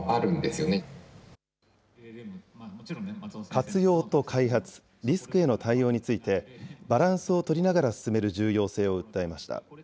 活用と開発、リスクへの対応について、バランスを取りながら進める重要性を訴えました。